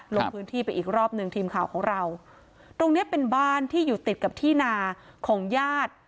ลงพื้นที่ไปอีกรอบหนึ่งทีมข่าวของเราตรงเนี้ยเป็นบ้านที่อยู่ติดกับที่นาของญาติ